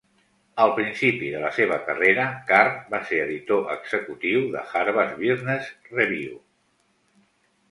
Al principi de la seva carrera, Carr va ser editor executiu de "Harvard Business Review".